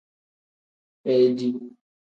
Bedi.